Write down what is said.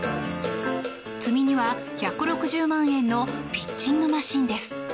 積み荷は１６０万円のピッチングマシンです。